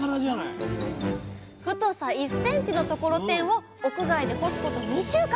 太さ１ｃｍのところてんを屋外で干すこと２週間。